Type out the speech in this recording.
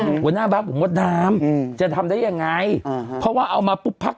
อืมหัวหน้าบั๊กผมว่าดามอืมจะทำได้ยังไงอ่าฮะเพราะว่าเอามาปุ๊บพัก